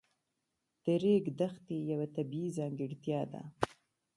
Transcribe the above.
د ریګ دښتې یوه طبیعي ځانګړتیا ده.